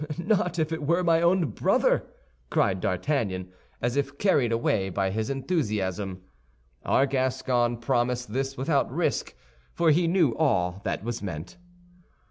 "Not if it were my own brother!" cried D'Artagnan, as if carried away by his enthusiasm. Our Gascon promised this without risk, for he knew all that was meant.